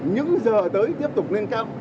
những giờ tới tiếp tục lên cao